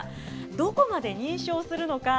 どこまで認証するのか。